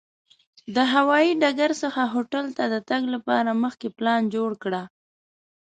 د هوایي ډګر څخه هوټل ته د تګ لپاره مخکې پلان جوړ کړه.